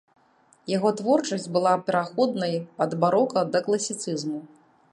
Яго творчасць была пераходнай ад барока да класіцызму.